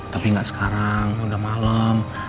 tapi gak sekarang udah malem